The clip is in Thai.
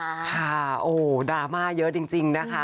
ค่ะโอ้โหดราม่าเยอะจริงนะคะ